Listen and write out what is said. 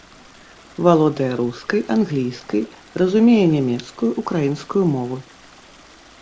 Валодае рускай, англійскай, разумее нямецкую, украінскую мовы.